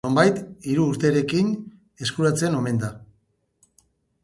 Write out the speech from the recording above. Nonbait hiru urterekin eskuratzen omen da.